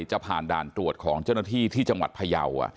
จะผ่านด่านตรวจของเจ้าหน้าที่ที่จังหวัดพยาว